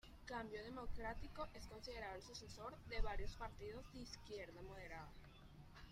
Cambio Democrático es considerado el sucesor de varios partidos de izquierda moderada.